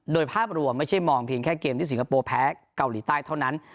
โดยภาพรวมไม่ใช่มองเพียงแค่เกมที่สิงคโปร์แพ้เกาหลีใต้เท่านั้น